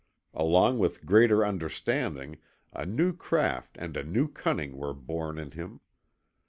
Along with greater understanding a new craft and a new cunning were born in him.